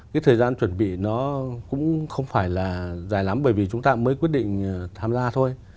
cái thời gian chuẩn bị nó cũng không phải là dài lắm bởi vì chúng ta mới quyết định tham gia thôi